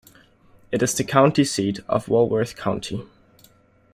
It is the county seat of Walworth County.